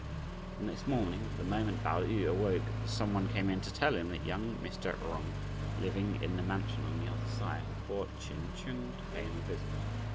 The next morning the moment Pao yü awoke, some one came in to tell him that young Mr. Jung, living in the mansion on the other side, had brought Ch'in Chung to pay him a visit.